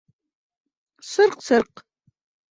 — Сырҡ-сырҡ!